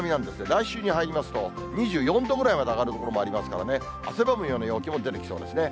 来週に入りますと、２４度ぐらいまで上がる所もありますからね、汗ばむような陽気も出てきそうですね。